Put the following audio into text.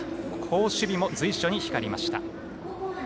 好守備も随所に光りました。